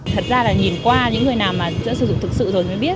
thật ra là nhìn qua những người nào sử dụng thực sự rồi mới biết